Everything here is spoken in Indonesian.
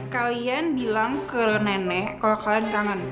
kalian bilang ke nene kalo kalian ditangan